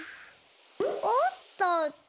おっとっと。